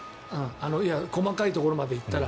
細かいところまで言ったら。